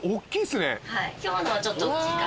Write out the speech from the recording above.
今日のはちょっと大きい。